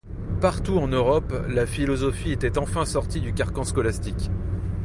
Partout en Europe, la philosophie était enfin sortie du carcan scolastique.